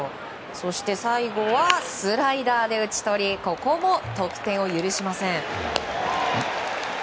そして最後はスライダーで打ち取りここも得点を許しません。